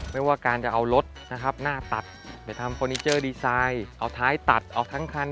ไม่ว่าการจะเอารถนะครับหน้าตัดจะทำเอาท้ายตัดเอาทั้งคัน